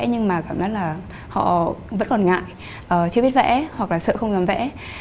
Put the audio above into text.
nhưng mà cảm giác là họ vẫn còn ngại chưa biết vẽ hoặc là sợ không dám vẽ